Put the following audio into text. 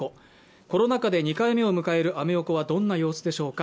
コロナ禍で２回目を迎えるアメ横はどんな様子でしょうか。